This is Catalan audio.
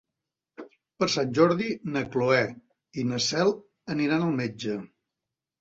Per Sant Jordi na Cloè i na Cel aniran al metge.